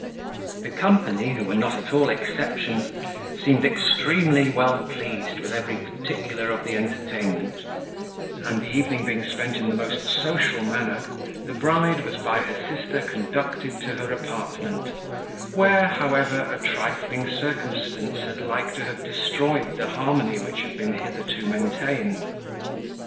The company, who were not at all exceptions, seemed extremely well pleased with every particular of the entertainment; and the evening being spent in the most social manner, the bride was by her sister conducted to her apartment, where, however, a trifling circumstance had like to have destroyed the harmony which had been hitherto maintained.